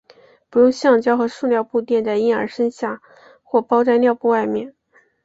不用橡胶和塑料布垫在婴儿身下或包在尿布外面。